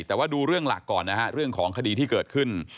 แต่ว่าดูเรื่องหลักก่อนนะฮะเรื่องของคดีที่เกิดขึ้น